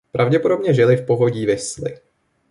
Pravděpodobně žili v povodí Visly.